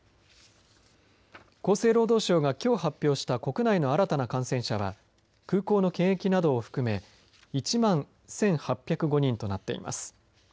厚生労働省がきょう発表した国内の新たな感染者は空港の検疫などを含め１万１８０５人となっています。